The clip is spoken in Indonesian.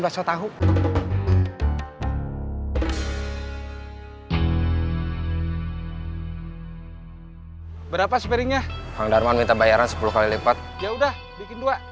baso tahu berapa sepiringnya pang darman minta bayaran sepuluh kali lipat ya udah bikin